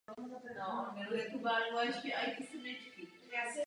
Z tohoto pohledu nebyl tento stav těla až tak překvapující.